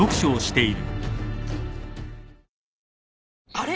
あれ？